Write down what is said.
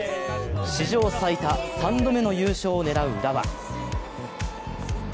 史上最多３度目の優勝を狙う浦和。